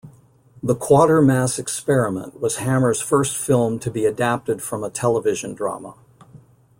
"The Quatermass Xperiment" was Hammer's first film to be adapted from a television drama.